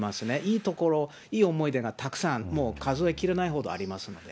いいところ、いい思い出がたくさんある、もう数え切れないほどありますので。